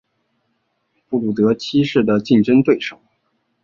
布鲁德七世的竞争对手。